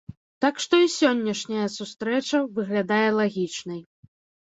Так што і сённяшняя сустрэча выглядае лагічнай.